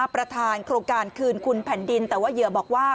ประธานโครงการคืนคุณแผ่นดินแต่ว่าเหยื่อบอกว่า